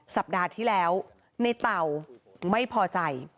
สัปดาห์ที่แล้วในเต่าไม่พอใจ